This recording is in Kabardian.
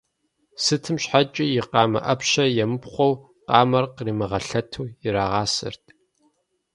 Сытым щхьэкӀи и къамэ Ӏэпщэ емыпхъуэу, къамэр къримыгъэлъэту ирагъасэрт.